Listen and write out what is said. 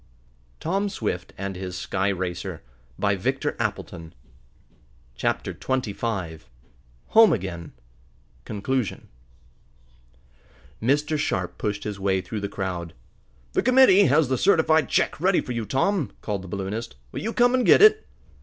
Tom Swift had won one race. Could he win the other? Chapter Twenty Five Home Again Conclusion Mr. Sharp pushed his way through the crowd. "The committee has the certified check ready for you, Tom," called the balloonist. "Will you come and get it?"